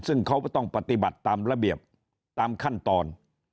ซึ่งเขาก็ต้องปฏิบัติตามระเบียบตามขั้นตอน